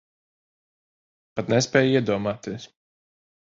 Pat nespēj iedomāties.